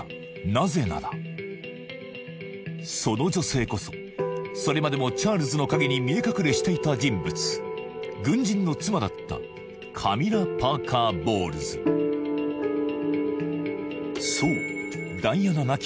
なぜならその女性こそそれまでもチャールズの陰に見え隠れしていた人物軍人の妻だったそうダイアナ亡き